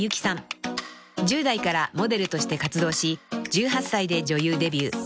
［１０代からモデルとして活動し１８歳で女優デビュー］